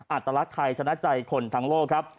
อัตลักษณ์ไทยชนะใจคนทั้งโลกครับ